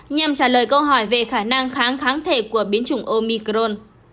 nhằm trả lời câu hỏi về khả năng kháng kháng thể của biến chủng omicron